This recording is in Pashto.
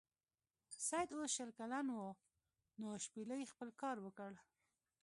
سید اوس شل کلن و نو شپیلۍ خپل کار وکړ.